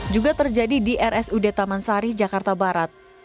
juga terjadi di rsud tamansari jakarta barat